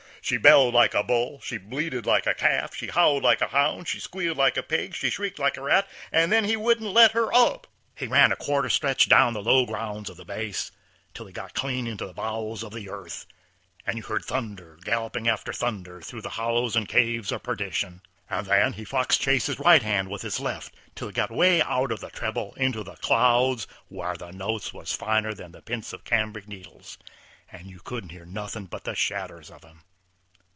She bellowed like a bull, she bleated like a calf, she howled like a hound, she squealed like a pig, she shrieked like a rat, and then he wouldn't let her up. He run a quarter stretch down the low grounds of the base, till he got clean in the bowels of the earth, and you heard thunder galloping after thunder through the hollows and caves of perdition; and then he fox chased his right hand with his left till he got 'way out of the treble into the clouds, whar the notes was finer than the p'ints of cambric needles, and you couldn't hear nothin' but the shadders of 'em.